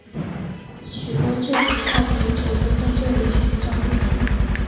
许多志同道合者都在这里寻找对象。